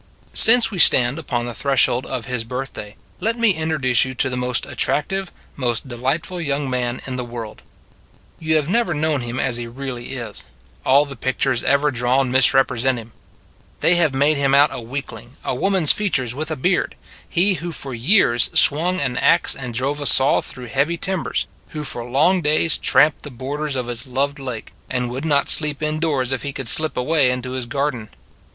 SINCE we stand upon the threshold of His birthday, let me introduce you to the most attractive, most delightful young man in the world. You have never known Him as he really is: all the pictures ever drawn misrepre sent Him. They have made Him out a weakling, a woman s features with a beard He who for years swung an adz and drove a saw through heavy timbers, who for long days tramped the borders of His loved lake, and would not sleep indoors if He could slip away into His garden.